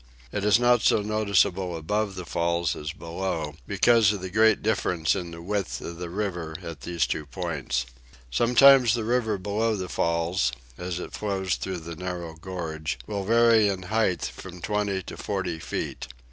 It is not so noticeable above the falls as below, because of the great difference in the width of the river at these two points. Sometimes the river below the falls, as it flows through the narrow gorge, will vary in height from twenty to forty feet.